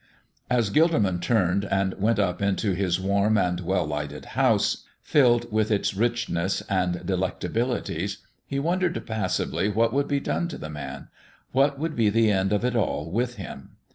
As Gilderman turned and went up into his warm and well lighted house, filled with its richness and delectabilities, he wondered passively what would be done to the Man; what would be the end of it all with Him.